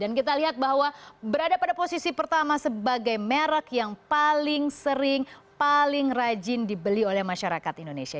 dan kita lihat bahwa berada pada posisi pertama sebagai merek yang paling sering paling rajin dibeli oleh masyarakat indonesia